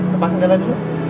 lepas sendalanya dulu